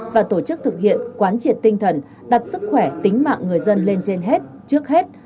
và tổ chức thực hiện quán triệt tinh thần đặt sức khỏe tính mạng người dân lên trên hết trước hết